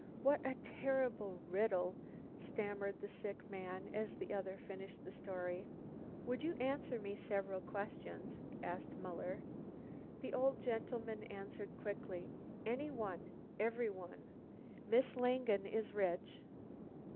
"What a terrible riddle," stammered the sick man as the other finished the story. "Would you answer me several questions?" asked Muller. The old gentleman answered quickly, "Any one, every one." "Miss Langen is rich?"